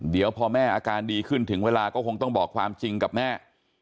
เดี๋ยวพอแม่อาการดีขึ้นถึงเวลาก็คงต้องบอกความจริงกับแม่